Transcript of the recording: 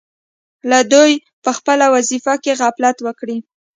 که دوی په خپله وظیفه کې غفلت وکړي.